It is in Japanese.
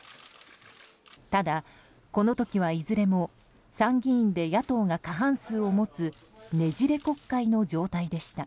ただ、この時はいずれも参議院で野党が過半数を持つねじれ国会の状態でした。